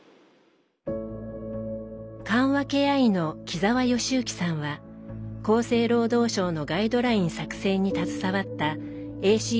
緩和ケア医の木澤義之さんは厚生労働省のガイドライン作成に携わったＡＣＰの第一人者です。